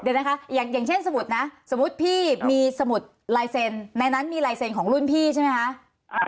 เดี๋ยวนะคะอย่างเช่นสมุดนะสมมุติพี่มีสมุดลายเซ็นต์ในนั้นมีลายเซ็นของรุ่นพี่ใช่ไหมคะ